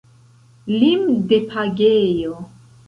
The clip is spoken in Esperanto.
Limdepagejo!